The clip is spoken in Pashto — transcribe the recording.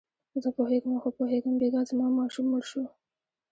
زه پوهېږم او ښه پوهېږم، بېګا زما ماشوم مړ شو.